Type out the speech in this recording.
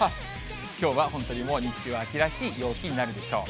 きょうは本当に日中、秋らしい陽気になるでしょう。